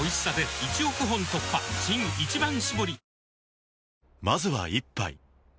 新「一番搾り」